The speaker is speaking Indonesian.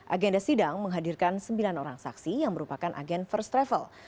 agenda sidang menghadirkan sembilan orang saksi yang merupakan agen first travel